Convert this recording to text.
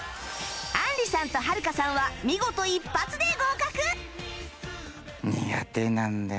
あんりさんとはるかさんは見事一発で合格！